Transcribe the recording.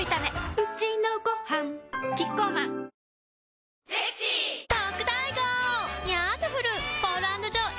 うちのごはんキッコーマン世界初！